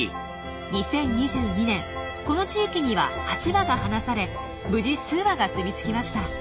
２０２２年この地域には８羽が放され無事数羽が住み着きました。